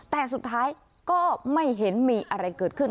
แต่สุดท้ายก็ไม่เห็นมีอะไรเกิดขึ้น